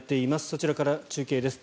そちらから中継です。